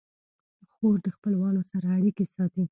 خور د خپلوانو سره اړیکې ساتي.